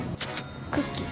クッキー。